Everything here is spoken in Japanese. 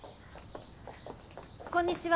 こんにちは。